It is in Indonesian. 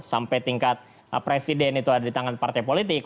sampai tingkat presiden itu ada di tangan partai politik